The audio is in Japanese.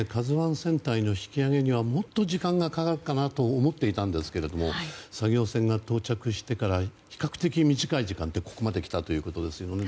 船体の引き揚げにはもっと時間がかかるかなと思っていたんですけれども作業船が到着してから比較的、短い時間でここまできたということですよね。